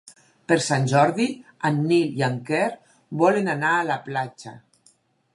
Per Sant Jordi en Nil i en Quer volen anar a la platja.